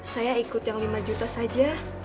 saya ikut yang lima juta saja